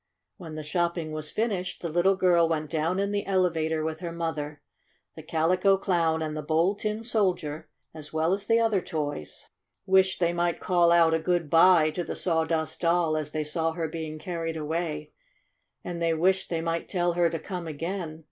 When the shopping was finished the little girl went down in the elevator with her mother. The Calico Clown and the Bold Tin Soldier, as well as the other toys, Dorothy's Father Fixes the Sawdust Doll Page 118 V "OH, DEAR ME!" 115 wished they might call out a "good bye" to the Sawdust Doll as they saw her being carried away. And they wished they might tell her to come again.